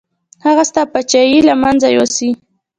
هغه ستا پاچاهي له منځه یوسي.